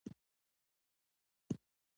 علم او تخنیک زده کول اړین دي